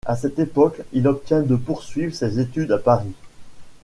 À cette époque, il obtient de poursuivre ses études à Paris.